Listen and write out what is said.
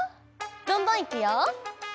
どんどんいくよ。